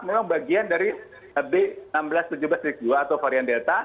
memang bagian dari b seribu enam ratus tujuh belas dua atau varian delta